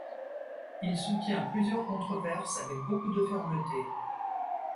Il soutient plusieurs controverses avec beaucoup de fermeté.